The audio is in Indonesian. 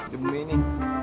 di bumi ini